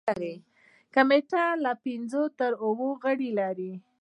کمیټه له پنځو تر اوو غړي لري.